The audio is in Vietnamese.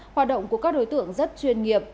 hoạt động của các đối tượng rất chuyên nghiệp